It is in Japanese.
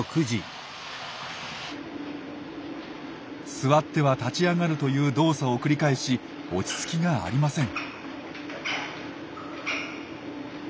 座っては立ち上がるという動作を繰り返し落ち着きがありません。